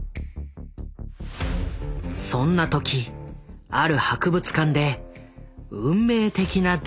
そんな時ある博物館で運命的な出会いが訪れる。